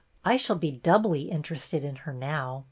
I shall be doubly interested in her now.